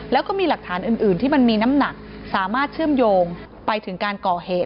แล้วก็มีหลักฐานอื่นที่มันมีน้ำหนักสามารถเชื่อมโยงไปถึงการก่อเหตุ